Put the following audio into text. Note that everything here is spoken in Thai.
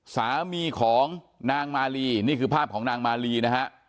สามีของนางมาลีนี่คือภาพของนางมาลีนะฮะ